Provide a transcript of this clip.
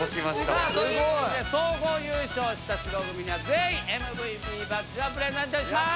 さあということで総合優勝した白組には全員ＭＶＰバッジをプレゼントします。